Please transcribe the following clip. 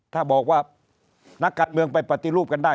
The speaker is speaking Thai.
ถ้าบอกว่านักการเมืองไปปฏิรูปกันได้